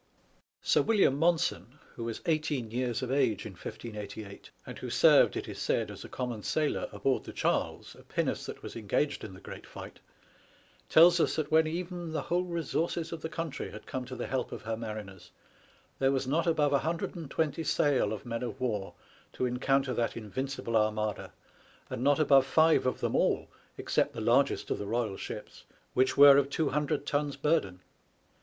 Sir William Monson, who was eighteen years of age in 1588, and who served, it is said, as a common sailor aboard the Charles, a pinnace that was engaged in the great fight, tells us that when even the whole resources of the country had come to the help of her mariners there was not above 120 sail of men of war to encounter that Invincible Armada, and not above five of them all, except the largest of the Boyal ships, which were of 200 tons burden.